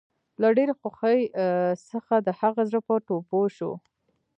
له ډېرې خوښۍ څخه د هغه زړه پر ټوپو شو